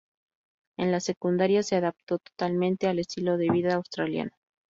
En la secundaría, se adaptó totalmente al estilo de vida Australiano.